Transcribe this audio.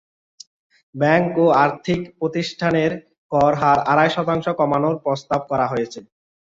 Bank ও আর্থিক প্রতিষ্ঠানের কর হার আড়াই শতাংশ কমানোর প্রস্তাব করা হয়েছে।